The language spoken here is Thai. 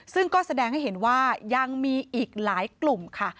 ซึ่งก็แสดงให้เห็นว่ายังมีอีกหลายกลุ่มค่ะ